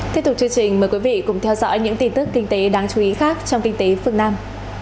tiếp tục chương trình mời quý vị cùng theo dõi những tin tức kinh tế đáng chú ý khác trong kinh tế phương nam